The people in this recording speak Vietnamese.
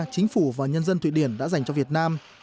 chính phủ và nhân dân thụy điển đã dành cho việt nam